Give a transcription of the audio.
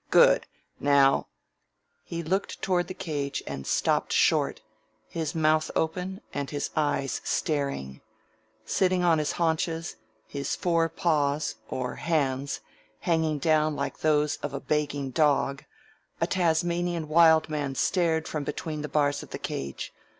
Good! Now " He looked toward the cage and stopped short, his mouth open and his eyes staring. Sitting on his haunches, his fore paws, or hands, hanging down like those of a "begging" dog, a Tasmanian Wild Man stared from between the bars of the cage.